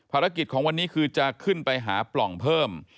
ภารกิจของวันนี้คือจะขึ้นไปหาปล่องเพิ่ม